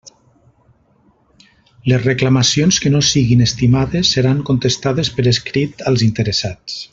Les reclamacions que no siguin estimades seran contestades per escrit als interessats.